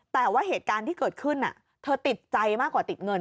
แต่ว่าเหตุการณ์ที่เกิดขึ้นเธอติดใจมากกว่าติดเงิน